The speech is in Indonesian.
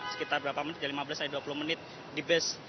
sekitar berapa menit lima belas sampai dua puluh menit di bus